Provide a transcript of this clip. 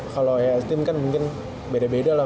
kalo ibl team kan mungkin beda beda lah